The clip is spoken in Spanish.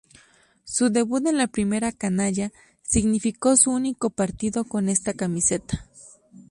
Su debut en la primera "canalla" significó su único partido con esta camiseta.